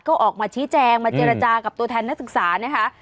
ก็ออกมาชี้แจงมาเจรจากับตัวแทนนักศึกษานะคะ